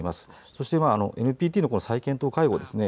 そして、ＮＰＴの再検討会合ですね